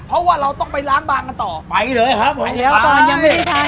เพราะว่าเราต้องไปล้านบานกันต่อไปเลยครับผมไปยังไม่ได้ทานกำเนื้อปิ้งเลย